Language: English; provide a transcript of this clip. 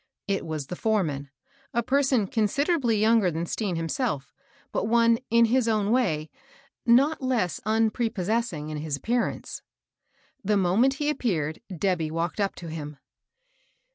It was the foreman ; a person considerably younger than Stean himself, but one, in his own way, not less unprepossessing in appearance. The moment he appeared Debby walked up to him.